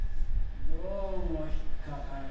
どうも引っかかるんだ。